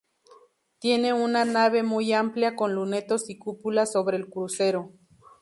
Tiene una nave muy amplia con lunetos y cúpula sobre el crucero.